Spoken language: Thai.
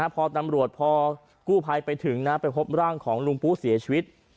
พอตำรวจพอกู้ภัยไปถึงไปพบร่างของลุงปุ๊เสียชีวิต